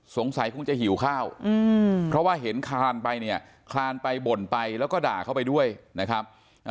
สงสัยคงจะหิวข้าวเพราะว่าเห็นคลานไปเนี่ยคลานไปบ่นไปแล้วก็ด่าเข้าไปด้วยนะครับ